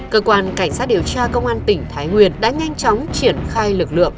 cơ quan cảnh sát điều tra công an tỉnh thái nguyên đã nhanh chóng triển khai lực lượng